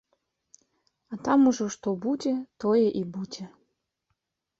А там ужо што будзе, тое і будзе.